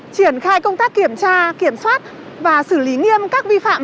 triển khai công tác kiểm tra kiểm soát và xử lý nghiêm các vi phạm